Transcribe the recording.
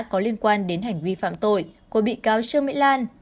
có liên quan đến hành vi phạm tội của bị cáo trương mỹ lan